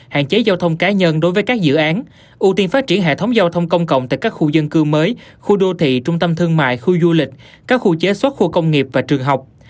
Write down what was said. hạn chế giao thông cá nhân đối với các dự án ưu tiên phát triển hệ thống giao thông công cộng tại các khu dân cư mới khu đô thị trung tâm thương mại khu du lịch các khu chế xuất khu công nghiệp và trường học